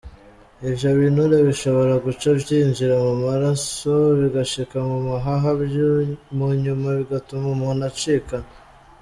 "Ivyo binure bishobora guca vyinjira mu maraso, bigashika mu mahaha munyuma bigatuma umuntu acikana.